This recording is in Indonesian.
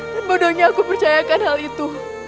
dan bodohnya aku percayakan hal itu